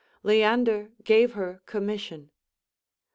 Leander gave her commission.